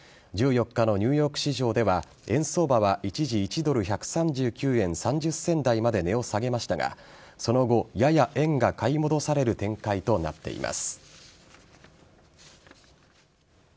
１４日のニューヨーク市場では円相場は一時１ドル１３９円３０銭台まで値を下げましたがその後、やや円が買い戻される展開となっています。